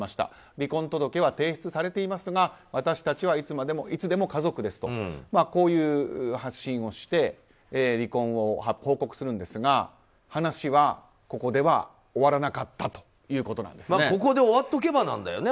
離婚届は提出されていますが私たちはいつでも家族ですとこういう発信をして離婚を報告するんですが話は、ここでは終わらなかったということなんですね。